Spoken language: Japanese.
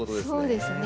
そうですね。